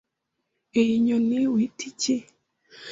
Iyi nyoni wita iki?